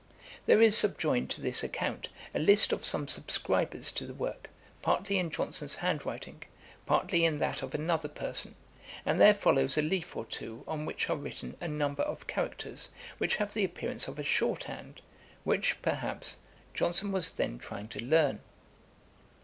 There is subjoined to this account, a list of some subscribers to the work, partly in Johnson's handwriting, partly in that of another person; and there follows a leaf or two on which are written a number of characters which have the appearance of a short hand, which, perhaps, Johnson was then trying to learn.